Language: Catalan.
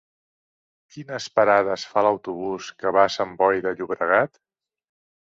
Quines parades fa l'autobús que va a Sant Boi de Llobregat?